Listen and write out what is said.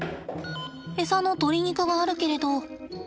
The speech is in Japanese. エサの鶏肉があるけれど。